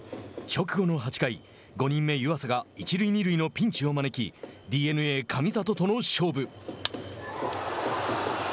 直後の８回、５人目、湯浅が一塁二塁のピンチを招きＤｅＮＡ、神里との勝負。